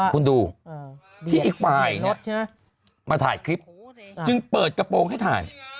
คุณดูที่อีกฝ่ายมาถ่ายคลิปจึงเปิดกระโปรงให้ถ่าย